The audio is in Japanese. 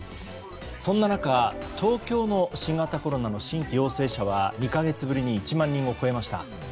そんな中、東京の新型コロナの新規陽性者は２か月ぶりに１万人を超えました。